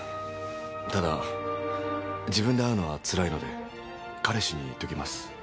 ただ自分で会うのはつらいので彼氏に言っておきます。